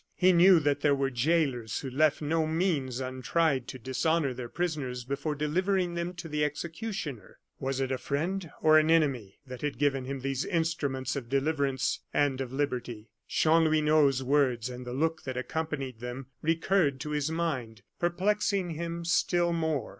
He knew that there were jailers who left no means untried to dishonor their prisoners before delivering them to the executioner. Was it a friend, or an enemy, that had given him these instruments of deliverance and of liberty. Chanlouineau's words and the look that accompanied them recurred to his mind, perplexing him still more.